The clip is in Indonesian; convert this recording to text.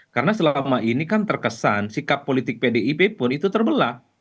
karena selama ini kan terkesan sikap politik pdip pun itu terbelah